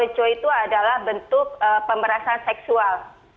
penyebaran konten seksual itu adalah bentuk pemerasan seksual